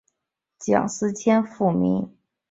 蒋斯千父名蒋祈增生于清朝乾隆四十八年。